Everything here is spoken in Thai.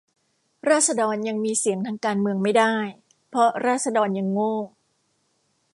ราษฎรยังมีเสียงทางการเมืองไม่ได้ เพราะราษฎรยังโง่